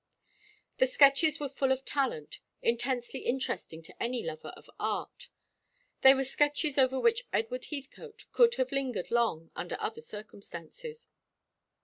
The sketches were full of talent, intensely interesting to any lover of art. They were sketches over which Edward Heathcote would have lingered long, under other circumstances.